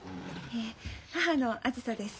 え母のあづさです。